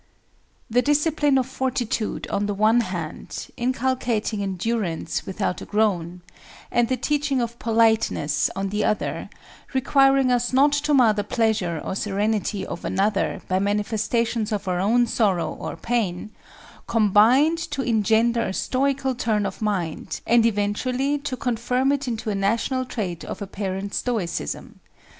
The discipline of fortitude on the one hand, inculcating endurance without a groan, and the teaching of politeness on the other, requiring us not to mar the pleasure or serenity of another by manifestations of our own sorrow or pain, combined to engender a stoical turn of mind, and eventually to confirm it into a national trait of apparent stoicism.